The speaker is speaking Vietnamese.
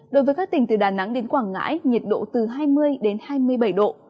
đối với các tỉnh từ đà nẵng đến quảng ngãi nhiệt độ từ hai mươi đến hai mươi bảy độ